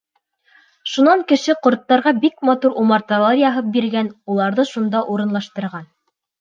Шунан Кеше ҡорттарға бик матур умарталар яһап биргән, уларҙы шунда урынлаштырған.